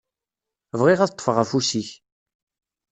Bɣiɣ ad ṭṭfeɣ afus-ik.